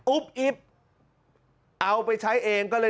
อุ๊บอิ๊บเหรอ